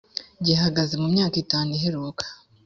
gihagaze mu myaka itanu iheruka